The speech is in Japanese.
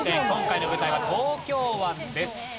今回の舞台は東京湾です。